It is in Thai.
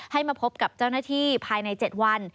ให้มาพบกับเจ้าหน้าที่ภายใน๗วัน